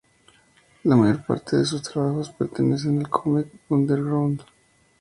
La mayor parte de sus trabajos pertenecen al cómic underground.